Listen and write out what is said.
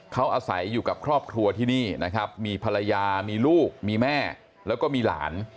เขาอาศัยอยู่กับครอบครัวที่นี่นะครับมีภรรยามีลูกมีแม่แล้วก็มีหลาน